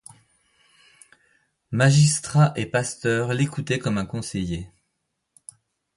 Magistrats et pasteurs l’écoutaient comme un conseiller.